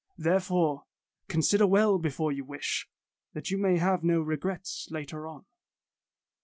Therefore, consider well before you wish, that you may have no regrets later on."